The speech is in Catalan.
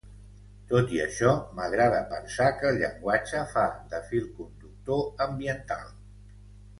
Tot i això, m'agrada pensar que el llenguatge fa de fil conductor ambiental.